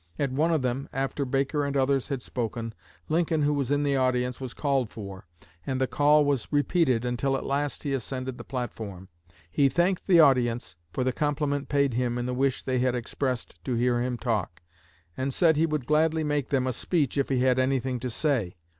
At one of them, after Baker and others had spoken, Lincoln, who was in the audience, was called for, and the call was repeated until at last he ascended the platform. He thanked the audience for the compliment paid him in the wish they had expressed to hear him talk, and said he would gladly make them a speech if he had anything to say.